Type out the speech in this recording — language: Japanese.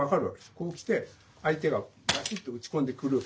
こうきて相手がバチッと打ち込んでくる。